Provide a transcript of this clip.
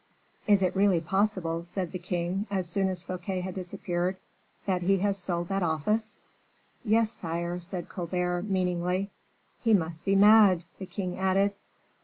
"Is it really possible," said the king, as soon as Fouquet had disappeared, "that he has sold that office?" "Yes, sire," said Colbert, meaningly. "He must be mad," the king added.